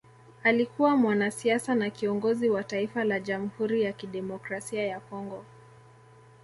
Alikuwa mwanasiasa na kiongozi wa Taifa la Jamhuri ya kidemokrasia ya Kongo